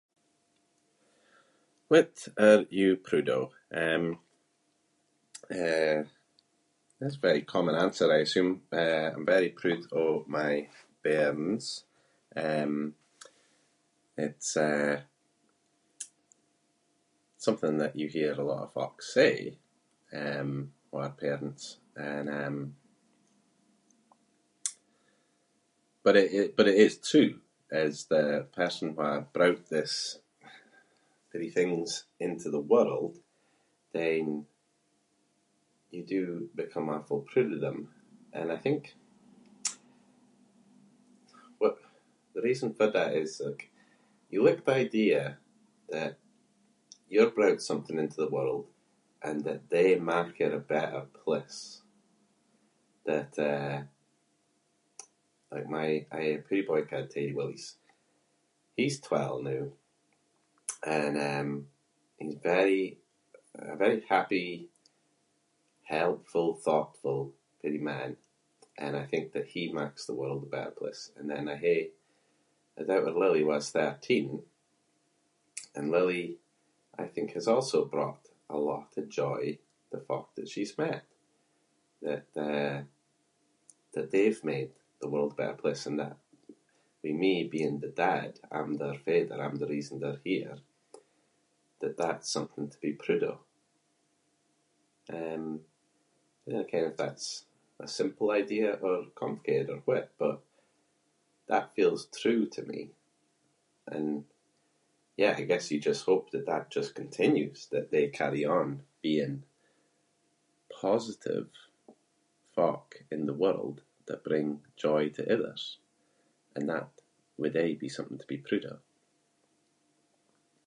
What are you prood of? Um, eh, this is a very common answer, I assume. Eh, I’m very prood of my bairns. Um, it’s eh, something that you hear a lot of folk say, um, who are parents, and um, but it is- but it is true. As the person who brought this peerie things into the world, then you do become awfu’ prood of them and I think- wh- the reason for that is, like, you like the idea that you're brought something into the world and that dey mak it a better place. That, eh, my [inc] he’s twelve noo and um, he’s very- a very happy, helpful, thoughtful peerie man and I think that he maks the world a better place and then I hae wir daughter Lily who is thirteen, and Lily I think has also brought a lot of joy to folk that she’s met. That, eh, that they’ve made the world a better place and that with me being the dad- I’m their father, I’m the reason they’re here, that that’s something to be prood of. Um, I dinna ken if that’s a simple idea or complicated or what but that feels true to me and, yeah, I guess you just hope that that just continues- that they carry on being positive folk in the world that bring joy to others, and that would aie be something to be prood of.